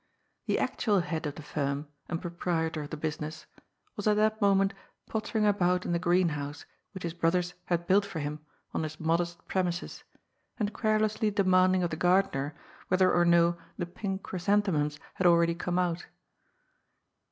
The actnal head of the firm and proprietor of the busi ness was at that moment pottering about in the greenhouse which his brothers had built for him on his modest prem ises, and querulously demanding of the gardener whether or no the pink chrysanthemums had already come out.